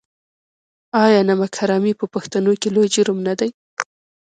آیا نمک حرامي په پښتنو کې لوی جرم نه دی؟